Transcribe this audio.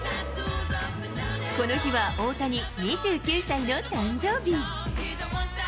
この日は大谷２９歳の誕生日。